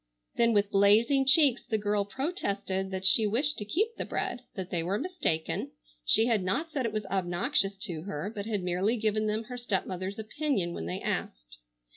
Then with blazing cheeks the girl protested that she wished to keep the bread, that they were mistaken, she had not said it was obnoxious to her, but had merely given them her stepmother's opinion when they asked.